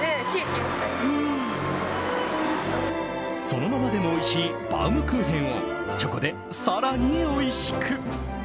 そのままでもおいしいバウムクーヘンをチョコで更においしく。